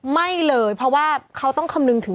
ไม่เลยเพราะว่าเขาต้องคำนึงถึง